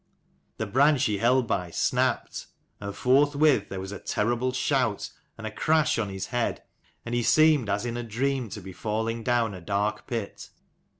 The branch he held by, snapped : and forthwith there was a terrible shout, and a crash on his head, and he seemed as in a dream to be falling down a dark pit.